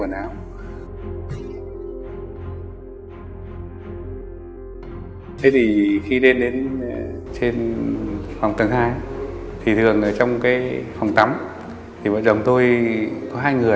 rồi phòng vc hai phòng cảnh sát hình sự